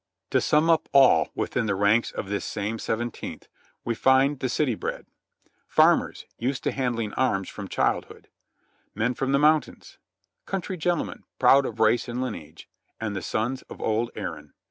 To sum up all within the ranks of this same Seventeenth, we find the city bred; farmers, used to handling arms from childhood; men from the mountains; country gentlemen, proud of race and lineage, and the sons of old Erin.